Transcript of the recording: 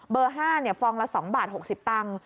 เบอร์๕ฟองละ๒บาท๖๐ตังค์